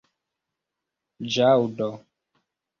ĵaŭdo